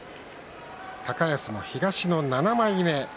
高安、東の７枚目。